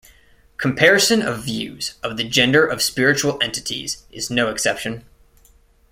Comparison of views of the gender of spiritual entities is no exception.